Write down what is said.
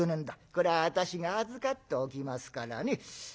これは私が預かっておきますからね。